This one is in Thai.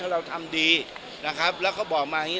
เราทำดีนะครับแล้วเขาบอกมาอย่างนี้